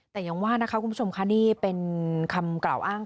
แต่ยังว่านะคะคุณผู้ชมค่ะนี่เป็นคำกล่าวอ้าง